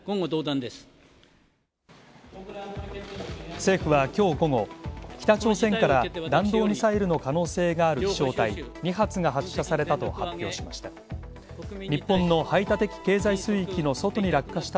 政府は今日午後、北朝鮮から弾道ミサイルの可能性がある飛翔体２発が発射されたと発表しました。